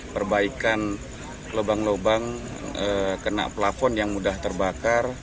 perbaikan lubang lubang kena plafon yang mudah terbakar